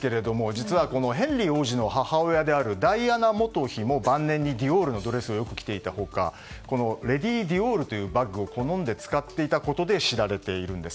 実はヘンリー王子の母親であるダイアナ元妃も晩年にディオールのドレスをよく着ていた他レディ・ディオールというバッグを好んで使っていたことで知られているんです。